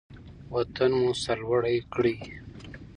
وطن مو سرلوړی کړئ.